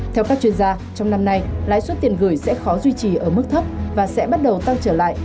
theo các chuyên gia trong năm nay lãi suất tiền gửi sẽ khó duy trì ở mức thấp và sẽ bắt đầu tăng trở lại